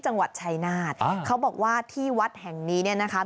จังหวัดชายนาฏอ๋อเขาบอกว่าที่วัดแห่งนี้เนี่ยนะคะ